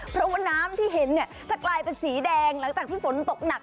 เพราะว่าน้ำที่เห็นเนี่ยจะกลายเป็นสีแดงหลังจากที่ฝนตกหนัก